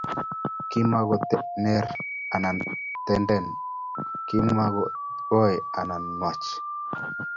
Kimako nerat ama tenten kimako koi ama nwach